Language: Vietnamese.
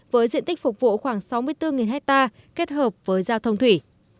với diện tích phục vụ khoảng sáu mươi bốn hectare kết hợp với giao thông thủy